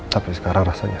tapi sekarang rasanya